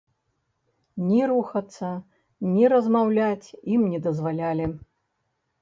Ні рухацца, ні размаўляць ім не дазвалялі.